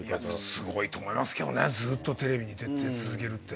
すごいと思いますけどねずっとテレビに出続けるって。